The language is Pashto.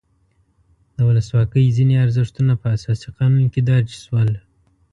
د ولسواکۍ ځینې ارزښتونه په اساسي قانون کې درج شول.